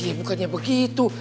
iya bukannya begitu